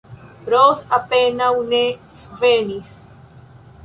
Ros apenaŭ ne svenis.